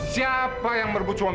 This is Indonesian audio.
siapa yang merubuk suami orang